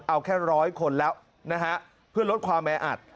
เอาแค่ร้อยคนแล้วนะฮะเพื่อลดความแออัด